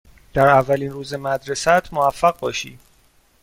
در اولین روز مدرسه ات موفق باشی.